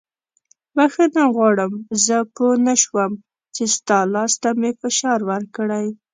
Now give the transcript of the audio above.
بښنه غواړم زه پوه نه شوم چې ستا لاس ته مې فشار ورکړی.